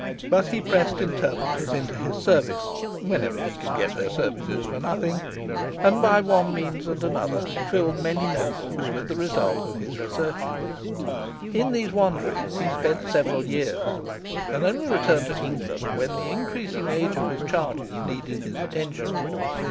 But he pressed interpreters into his service whenever he could get their services for nothing and by one means and another filled many notebooks with the results of his researches. In these wanderings he spent several years, and only returned to England when the increasing age of his charges needed his attention.